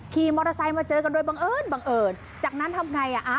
ขี่มอเตอร์ไซค์มาเจอกันโดยบังเอิญบังเอิญจากนั้นทำไงอ่ะ